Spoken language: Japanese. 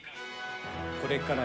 これから。